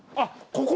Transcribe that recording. ここ！